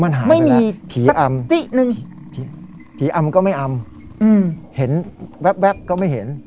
มันหายไปแล้วไม่มีสักติหนึ่งผีอำก็ไม่อำอืมเห็นแว๊บแว๊บก็ไม่เห็น